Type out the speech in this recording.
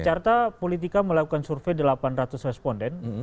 carta politika melakukan survei delapan ratus responden